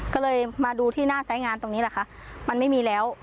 ก็เลยมาดูที่หน้าสายงานตรงนี้แหละค่ะมันไม่มีแล้ว